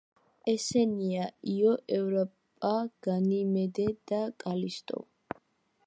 ესენია: იო, ევროპა, განიმედე და კალისტო.